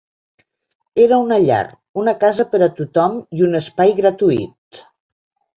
Era una llar, una casa per a tothom i un espai gratuït.